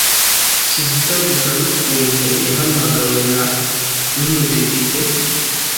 Kizito avuga n'ukuntu yahamagawe na numudepite